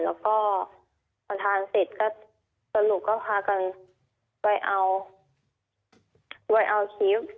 แล้วก็พอทานเสร็จก็สรุปก็พากันไปเอาไว้เอาคลิป